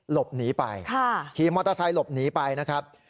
หลบหนีไปขี่มอเตอร์ไซค์หลบหนีไปนะครับ